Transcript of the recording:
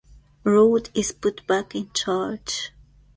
Rod is put back in charge.